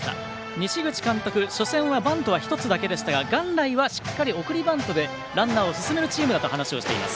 西口監督、初戦はバントは１つだけでしたが元来はしっかり送りバントでランナーを進めるチームだと話をしています。